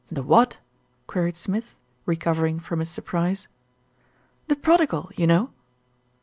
"The what?" queried Smith, recovering from his surprise. "The prodigal, you know."